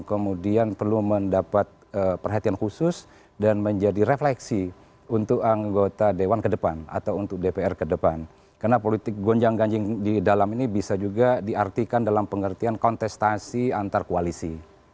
kemudian perlu mendapat perhatian khusus dan menjadi refleksi untuk anggota dewan ke depan atau untuk dpr ke depan karena politik gonjang ganjing di dalam ini bisa juga diartikan dalam pengertian kontestasi antar koalisi